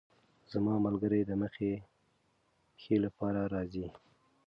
زما ملګرې د مخې ښې لپاره راځي.